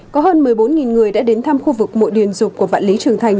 có hơn một mươi bốn người đã đến thăm khu vực mộ điền dục của vạn lý trường thành